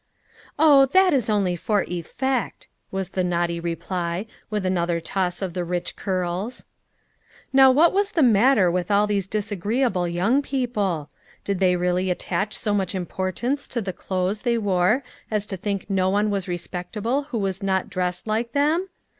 "Oh! that is only for effect," was the naughty reply, with another toss of the rich curls. Now what was the matter with all these dis agreeable young people ? Did they really attach so much importance to the clothes they wore as to think no one was respectable who was not dressed like them?